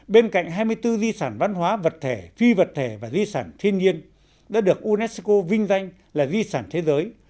bên cạnh hai mươi bốn di sản văn hóa vật thể phi vật thể và di sản thiên nhiên đã được unesco vinh danh là di sản thế giới